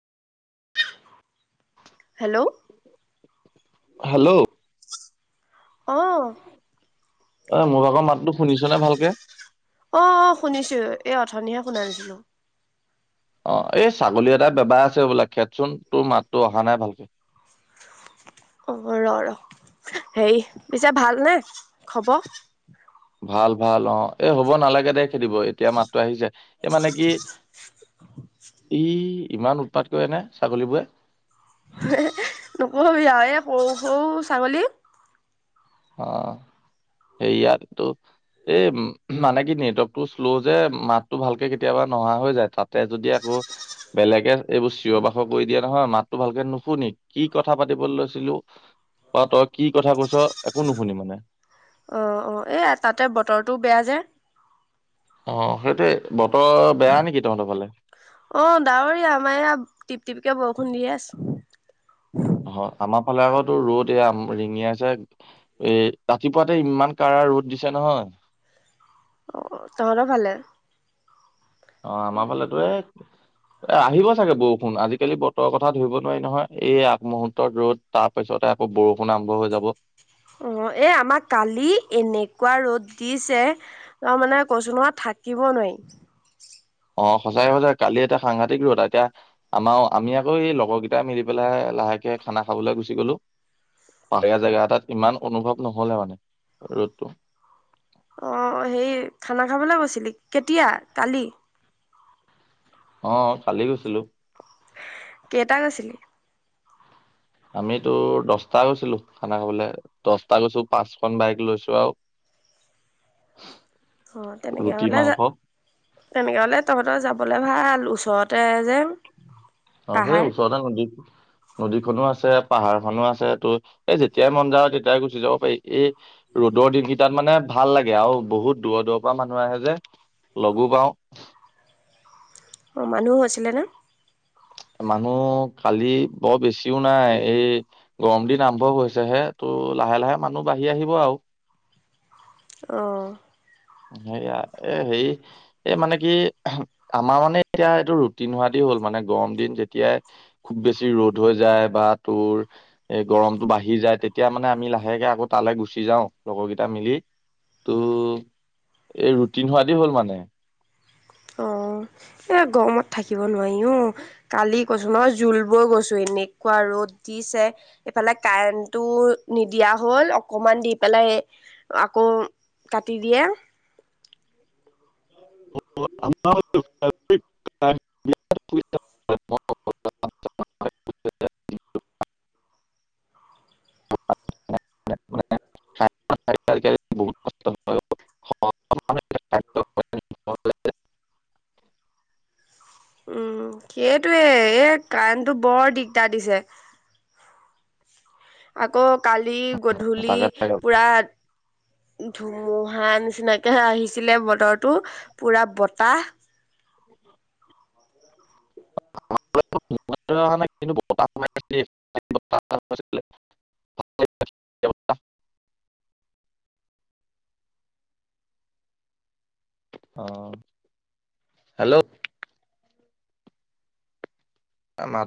Hello. Hello. অ'। এ, মোৰ ভাগৰ মাতটো শুনিছনে ভালকে? অ' শুনিছোঁ, এই অথনিহে শুনা নছিলোঁ। অ' এই ছাগলী এটা বেবাই আছে বোলা, খেদচোন তোৰ মাতটো অহা নাই ভালকে। অ' ৰ ৰ হেৰি পিছে ভালনে খবৰ? ভাল ভাল অ'। এ, হ'ব নালাগে দে। খেদিব এতিয়া মাতটো আহিছে। এই মানে কি ই ইমান উৎপাত কৰেনে ছাগলীবোৰে? নকবি আৰু এ, সৰু সৰু ছাগলী অ' সেইয়াতো এই মানে কি নেটৱৰ্কটো শ্ল' যে, মাতটো ভালকে কেতিয়াবা নহা হৈ যায় তাতে যদি আকৌ বেলেগে এইবোৰ চিঞৰ বাখৰ কৰি দিয়ে নহয়, মাতটো ভালকে নুশুনি। কি কথা পাতিব লৈছিলোঁ, বা তই কি কথা কৈছ একো নুশুনি মানে। অ', অ' এই তাতে বতৰটোও বেয়া যে। অ' সেইটোৱে। বতৰ বেয়া নেকি তহঁতৰ ফালে? অ' ডাৱৰীয়া, আমাৰ ইয়া টিপ টিপকে বৰষুণ দিয়ে আছে। হয়, আমাৰফালে আকৌ তোৰ ৰ'দ, এইয়া ৰিঙিয়াইছে। এ, ৰাতিপুৱাতে ইমান কাৰা ৰ'দ দিছে নহয়। অ' তহঁতৰফালে? অ' আমাৰ ফালেতো এই এ, আহিব চাগে বৰষুণ, আজিকালি বতৰৰ কথা ধৰিব নোৱাৰি নহয় এই আগমুহূৰ্তৰ ৰ'দ তাৰপিছতে আকৌ বৰষুণ আৰম্ভ হৈ যাব। অ' এই আমাক কালি এনেকুৱা ৰ'দ দিছে। অ' মানে কৈছোঁ নহয় থাকিব নোৱাৰি। অ' সচায়ে সচায়ে কালি এতা সাংঘাতিক ৰদ, এতিয়া আমাৰ আমি আকৌ, এই লগৰকেইটাই মিলি পেলাই লাহেকে খানা খাবলৈ গুচি গলোঁ। পাহাৰীয়া জেগা এটাত ইমান অনুভৱ নহ'লে মানে ৰ'দটো। অ' হেই খানা খাবলৈ গৈছিলি? কেতিয়া কালি? অ' কালি গৈছিলোঁ। কেইটা গৈছিলি? আমি তোৰ দচটা গৈছিলোঁ খানা খাবলে, দচটা গৈছোঁ পাঁচখন বাইক লৈছোঁ আৰু [unintelligible] অ' তেনেকে ৰুটি হ'লে যা মাংস তেনেকৈ হ'লে তহঁতৰ যাবলৈ ভাল ওচৰতে যেন। অ' সেই ওচৰতে নদীত। নদীখনো আছে পাহাৰখনো আছে ত' এই যেতিয়াই মন যায় তেতিয়াই গুচি যাব পাৰি এই ৰ'দৰ দিনকেইটাত মানে ভাল লাগে আৰু বহুত দূৰৰ দূৰৰ পৰা মানুহ আহে যে লগো পাওঁ। অ' মানুহ আছিলেনে। মানুহ কালি বৰ বেছিও নাই এই গৰম দিন আৰম্ভ হৈছে হে ত' লাহে লাহে মানুহ বাঢ়ি আহিব আৰু। অ'। সেইয়া এ, হেৰি এই মানে কি, আমাৰ মানে এতিয়া এইটো ৰুটিন হোৱো দি হ'ল মানে গৰম দিন যেতিয়াই খুব বেছি ৰ'দ হৈ যায় বা তোৰ এ, গৰমতটো বাঢ়ি যায় তেত তেতিয়া মানে আমি লাহেকে আকৌ তালৈ গুচি যাওঁ লগৰকেইটা মিলি ত' এই ৰুটিন হোৱা দি হ'ল মানে। অ' এই গৰমত থাকিব নোৱাৰি অ'। কালি কৈছোঁ নহয় জুলবৈ গৈছোঁ এনেকুৱা ৰ'দ দিছে। এইফালে কাৰেণ্টটো নিদিয়া হ'ল অকমান দি পেলাই আকৌ কাটি দিয়ে। [unintelligible] [inaudible] [unintelligible] [inaudible] উম, সেইটোয়ে এই কাৰেণ্টটো বৰ দিগদাৰ দিছে। আকৌ কালি গধূলি তাকে তাকে। পুৰা ধুমুহা নিচিনাকে আহিছিলে বতৰটো পুৰা বতাহ। [unintelligible] [unintelligible] অ' হেল্ল'। [unintelligible]